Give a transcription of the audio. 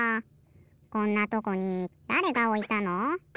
こんなとこにだれがおいたの？